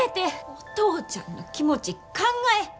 お父ちゃんの気持ち考え。